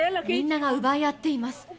みんなが奪い合っています。